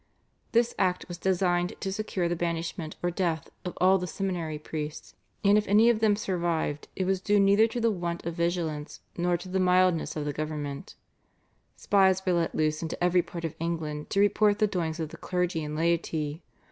This Act was designed to secure the banishment or death of all the seminary priests, and if any of them survived it was due neither to the want of vigilance nor to the mildness of the government. Spies were let loose into every part of England to report the doings of the clergy and laity.